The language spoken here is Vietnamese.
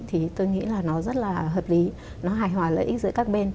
thì tôi nghĩ là nó rất là hợp lý nó hài hòa lợi ích giữa các bên